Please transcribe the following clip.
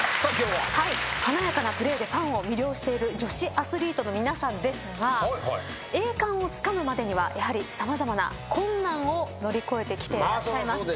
はい華やかなプレーでファンを魅了している女子アスリートの皆さんですが栄冠をつかむまでにはやはり様々な困難を乗り越えてきていらっしゃいます。